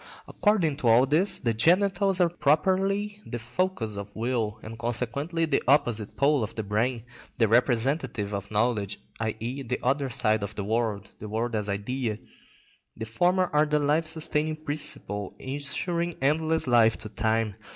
According to all this, the genitals are properly the focus of will, and consequently the opposite pole of the brain, the representative of knowledge, i.e., the other side of the world, the world as idea. The former are the life sustaining principle ensuring endless life to time.